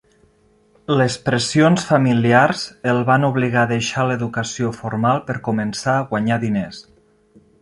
Les pressions familiars el van obligar a deixar l'educació formal per començar a guanyar diners.